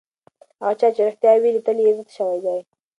هغه چا چې رښتیا ویلي، تل یې عزت شوی دی.